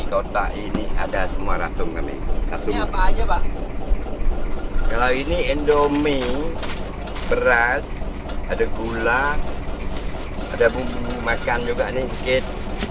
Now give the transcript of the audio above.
kalau ini endomi beras ada gula ada bumbu makan juga ini sedikit